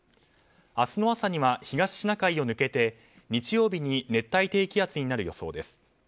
明日の朝には、東シナ海を抜けて日曜日に熱帯低気圧になる予想です。